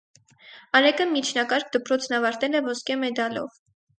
Արեգը միջնակարգ դպրոցն ավարտել է ոսկե մեդալով։